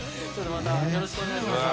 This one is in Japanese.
またよろしくお願いします。